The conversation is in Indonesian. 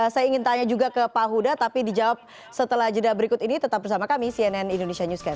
saya ingin tanya juga ke pak huda tapi dijawab setelah jeda berikut ini tetap bersama kami cnn indonesia newscast